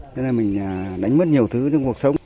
thế là mình đánh mất nhiều thứ trong cuộc sống